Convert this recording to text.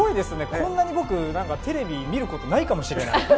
こんなに僕、テレビを見ることないかもしれない。